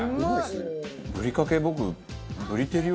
ぶりかけ僕。